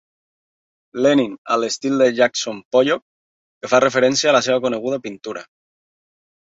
Lenin a l'estil de Jackson Pollock, que fa referència a la seva coneguda pintura.